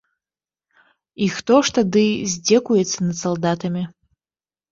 І хто ж тады здзекуецца над салдатамі?